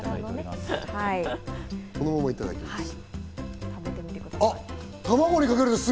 このままいただきます。